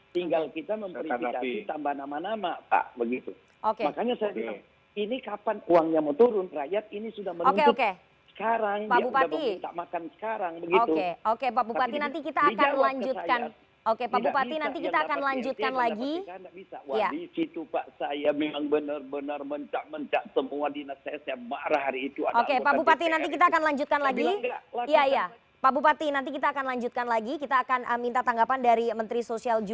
tinggal dikirimkan ke kota mobagu